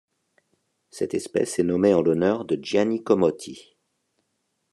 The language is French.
Cette espèce est nommée en l'honneur de Gianni Comotti.